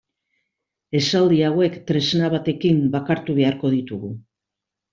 Esaldi hauek tresna batekin bakartu beharko ditugu.